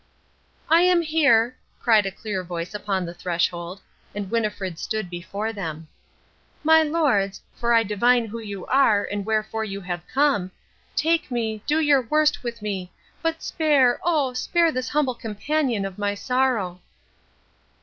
"I am here," cried a clear voice upon the threshold, and Winnifred stood before them. "My lords, for I divine who you are and wherefore you have come, take me, do your worst with me, but spare, oh, spare this humble companion of my sorrow."